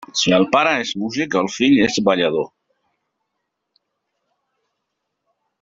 Si el pare és músic, el fill és ballador.